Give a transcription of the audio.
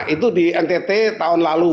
itu di ntt tahun lalu